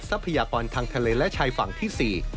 ทางทะเลและชายฝั่งที่๔